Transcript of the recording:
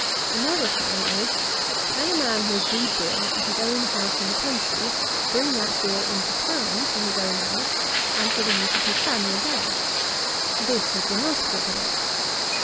109. Another thing is, can a man who has brewed beer at his own house in the country, bring that beer into town to his own house, and for the use of his family there? This has been asked of me.